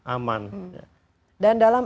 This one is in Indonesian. aman dan dalam